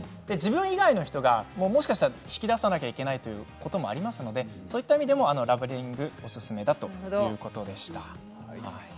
自分以外の人が引き出さなければいけないということもありますのでそういったときにもラベリングはおすすめだということでした。